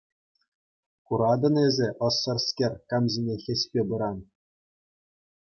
Куратӑн-и эсӗ, ӑссӑрскер, кам ҫине хӗҫпе пыран?